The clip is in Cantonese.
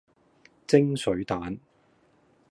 蒸水蛋